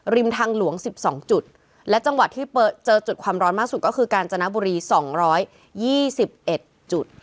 ริมทางหลวงสิบสองจุดและจังหวะที่เปอร์เจอจุดความร้อนมากสูกก็คือการจรรยาบุรีสองร้อยยี่สิบเอ็ดจุด